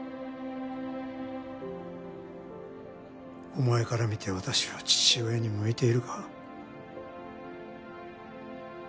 お前から見て私は父親に向いているか？